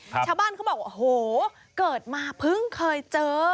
ชาวบ้านเขาบอกโอ้โหเกิดมาเพิ่งเคยเจอ